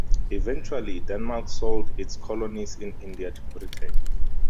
Eventually Denmark sold its colonies in India to Britain.